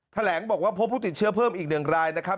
แถลงบอกว่าพบผู้ติดเชื้อเพิ่มอีก๑รายนะครับ